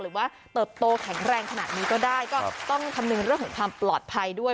เติบโตแข็งแรงขนาดนี้ก็ได้ก็ต้องคำนึงเรื่องของความปลอดภัยด้วย